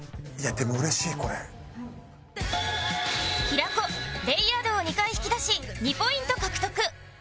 平子「レイヤード」を２回引き出し２ポイント獲得